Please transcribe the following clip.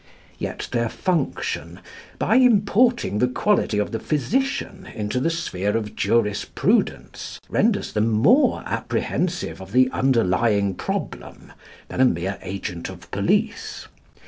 Yet their function, by importing the quality of the physician into the sphere of jurisprudence, renders them more apprehensive of the underlying problem than a mere agent of police.